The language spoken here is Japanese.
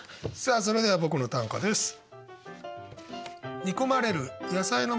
さあそれでは僕の短歌です。